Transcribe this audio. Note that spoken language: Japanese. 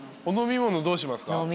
お飲み物どうしますか？